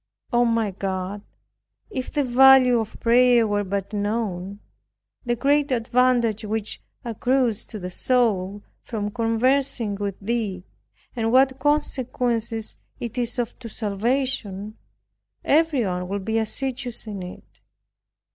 Oh, my God, if the value of prayer were but known, the great advantage which accrues to the soul from conversing with Thee, and what consequence it is of to salvation, everyone would be assiduous in it.